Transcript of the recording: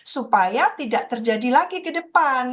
supaya tidak terjadi lagi kedepan